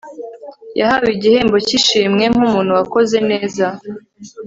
yahawe igihembo kishimwe nkumuntu wakoze neza